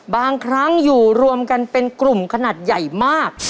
บางครั้งอยู่รวมกันเป็นกลุ่มขนาดใหญ่มาก